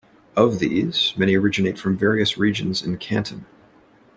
Of these, many originate from various regions in Canton.